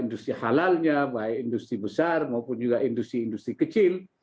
industri halalnya baik industri besar maupun juga industri industri kecil